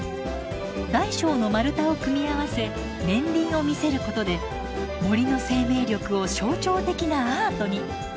大小の丸太を組み合わせ年輪を見せることで森の生命力を象徴的なアートに。